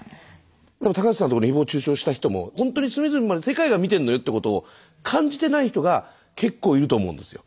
でも橋さんのことひぼう中傷した人もほんとに隅々まで世界が見てんのよってことを感じてない人が結構いると思うんですよ。